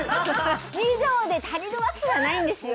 ２畳で足りるわけがないんですよ